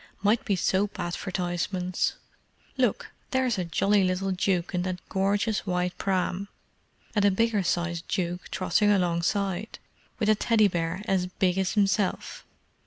"Might be soap advertisements. Look, there's a jolly little duke in that gorgeous white pram, and a bigger sized duke trotting alongside, with a Teddy bear as big as himself.